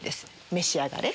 召し上がれ。